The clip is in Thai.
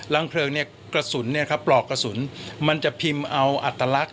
เพลิงเนี่ยกระสุนเนี่ยครับปลอกกระสุนมันจะพิมพ์เอาอัตลักษณ